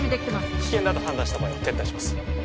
危険と判断した場合は撤退します